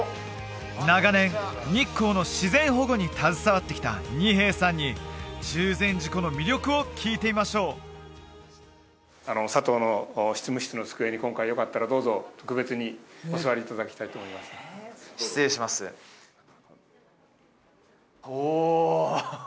長年日光の自然保護に携わってきた仁平さんに中禅寺湖の魅力を聞いてみましょうサトウの執務室の机に今回よかったらどうぞ特別にお座りいただきたいと思います失礼しますおお！